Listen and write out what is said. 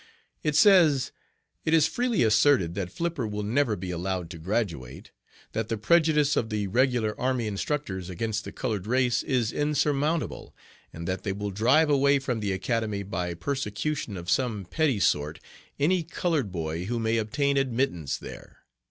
It says: 'It is freely asserted that Flipper will never be allowed to graduate; that the prejudice of the regular army instructors against the colored race is insurmountable, and that they will drive away from the Academy by persecution of some petty sort any colored boy who may obtain admittance there.